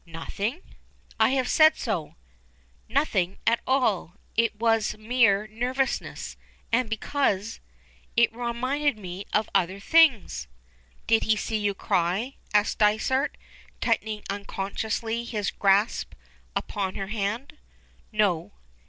"Nothing?" "I have said so! Nothing at all. It was mere nervousness, and because it reminded me of other things." "Did he see you cry?" asks Dysart, tightening unconsciously his grasp upon her hand. "No.